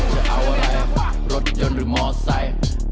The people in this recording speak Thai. จะเอาอะไรรถยนต์หรือมอเซ็นต์